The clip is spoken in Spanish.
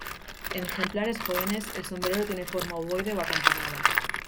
En ejemplares jóvenes, el sombrero tiene forma ovoide o acampanada.